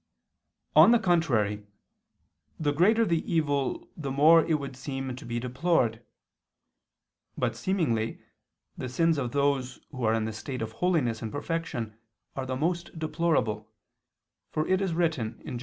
On the contrary, The greater the evil the more it would seem to be deplored. But seemingly the sins of those who are in the state of holiness and perfection are the most deplorable, for it is written (Jer.